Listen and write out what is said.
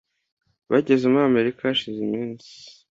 Bageze muri Amerika hashize iminsi.